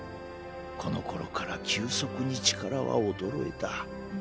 このころから急速に力は衰えた。